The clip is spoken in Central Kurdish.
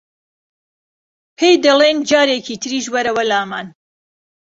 پێی دەڵێن جارێکی تریش وەرەوە لامان